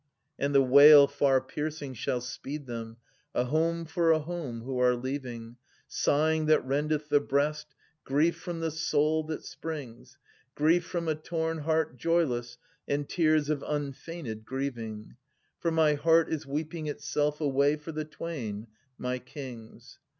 And the wail far piercing shall speed them, a home for a home who are leaving, Sighing that rendeth the breast, grief from the soul that springs, Grief &om a torn heart joyless, and tears of unfeigned grieving : For my heart is weeping itself away for the twain — my kings